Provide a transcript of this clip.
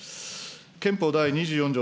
憲法第２４条